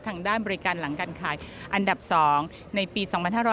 ทางด้านบริการหลังการขายอันดับ๒ในปี๒๕๕๙